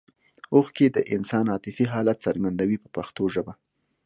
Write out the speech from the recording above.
اوښکې د انسان عاطفي حالت څرګندوي په پښتو ژبه.